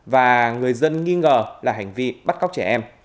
và người dân nghi ngờ là hành vi bắt cóc trẻ em